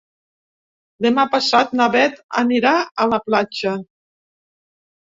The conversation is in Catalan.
Demà passat na Bet anirà a la platja.